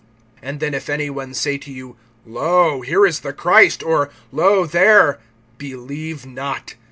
(21)And then if any one say to you: Lo, here is the Christ, or Lo, there, believe not.